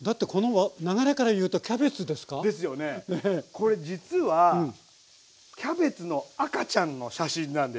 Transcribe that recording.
これ実はキャベツの赤ちゃんの写真なんです。